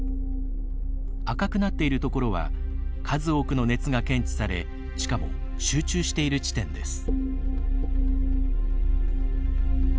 赤くなっているところは数多くの熱が検知されしかも、集中している地点です。